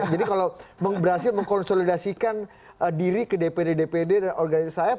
jadi kalau berhasil mengkonsolidasikan diri ke dpd dpd dan organisasi sayap